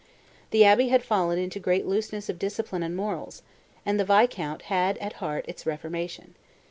The abbey had fallen into great looseness of discipline and morals; and the viscount had at heart its reformation.